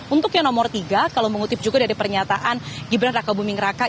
untuk yang nomor tiga kalau mengutip juga dari pernyataan gibran raka buming raka